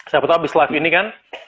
siapa tahu abis live ini kan